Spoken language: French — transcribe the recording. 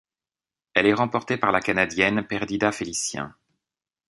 Elle est remportée par la Canadienne Perdita Felicien.